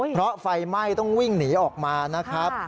เพราะไฟไหม้ต้องวิ่งหนีออกมานะครับ